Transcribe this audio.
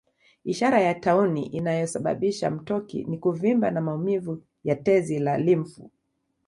Ishara ya tauni inayosababisha mtoki ni kuvimba na maumivu ya tezi za limfu